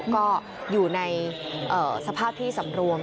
ก็อยู่ในสภาพที่สำรวม